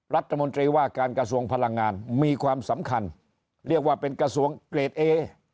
รัฐมนตรีว่าการกระทรวงพลังงานมีความสำคัญเรียกว่าเป็นกระทรวงเกรดเอ